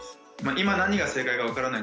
今、何が正解か分からない